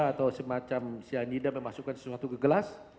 atau semacam si anida memasukkan sesuatu ke gelas